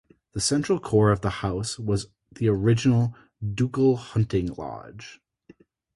The central core of the house was the original ducal hunting lodge.